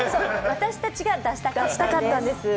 私たちが出したかったんです。